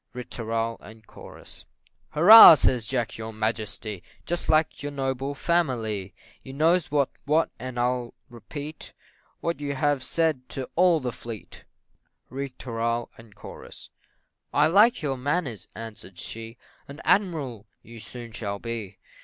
Ri tooral, &c. "Hurrah!" says Jack, "your Majesty! Just like your noble family! You knows what's what, and I'll repeat What you have said to all the fleet." Ri tooral, &c. "I like your manners," answered she, "An admiral you soon shall be."